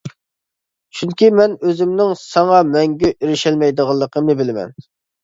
چۈنكى مەن ئۆزۈمنىڭ ساڭا مەڭگۈ ئېرىشەلمەيدىغانلىقىمنى بىلىمەن!